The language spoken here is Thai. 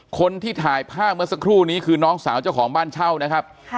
คนที่ถ่ายภาพเมื่อสักครู่นี้คือน้องสาวเจ้าของบ้านเช่านะครับ